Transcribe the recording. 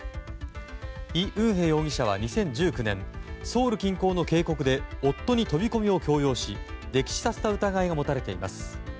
イ・ウンヘ容疑者は２０１９年ソウル近郊の渓谷で夫に飛び込みを強要し溺死させた疑いが持たれています。